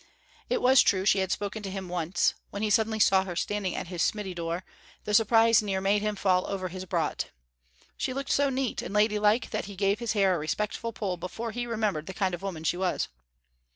It was true she had spoken to him once; when he suddenly saw her standing at his smiddy door, the surprise near made him fall over his brot. She looked so neat and ladylike that he gave his hair a respectful pull before he remembered the kind of woman she was.